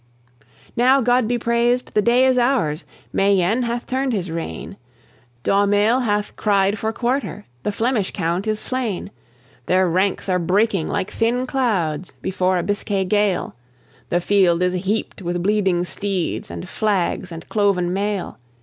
Now, God be praised, the day is ours. Mayenne hath turned his rein. D'Aumale hath cried for quarter. The Flemish count is slain. Their ranks are breaking like thin clouds before a Biscay gale; The field is heaped with bleeding steeds, and flags, and cloven mail.